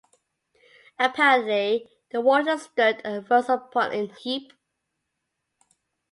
Apparently the water stood and rose upon an heap.